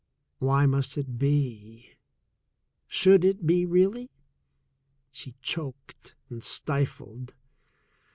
Why must it be? Should it be, really? She choked and stifled.